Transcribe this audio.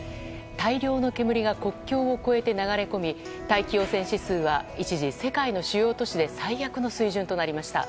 大量の煙が国境を越えて流れ込み大気汚染指数は一時世界の主要都市で最悪の水準となりました。